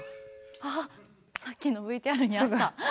あっさっきのＶＴＲにあった。